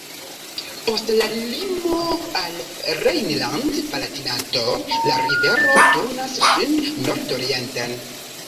Post la limo al Rejnland-Palatinato la rivero turnas sin nordorienten.